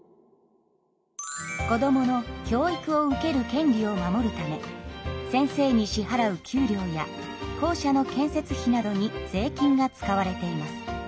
子どもの教育を受ける権利を守るため先生に支はらう給料や校舎の建設費などに税金が使われています。